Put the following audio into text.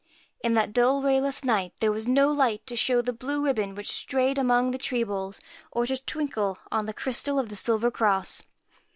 In that dull rayless night there was no light to show the blue ribbon, which strayed among the tree boles, or to twinkle on the crystal of the silver cross.